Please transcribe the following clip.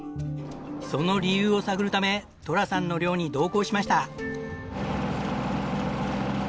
その理由を探るため寅さんの漁に同行しました。